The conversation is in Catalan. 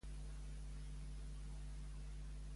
Què exclamava el tresor?